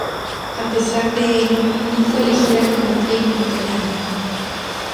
A pesar de ello, no fue elegida como Playmate del año.